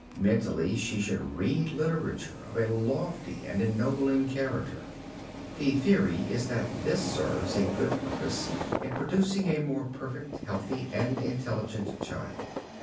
Mentally she should read literature of a lofty and ennobling character. The theory is that this serves a good purpose in producing a more perfect, healthy and intelligent child.